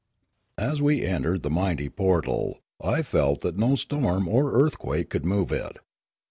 As we entered the mighty portal, I felt that no storm or earthquake could move it.